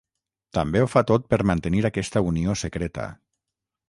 També ho fa tot per mantenir aquesta unió secreta.